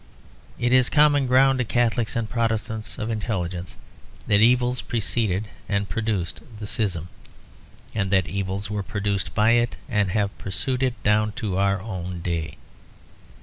It is common ground to Catholics and Protestants of intelligence that evils preceded and produced the schism; and that evils were produced by it and have pursued it down to our own day.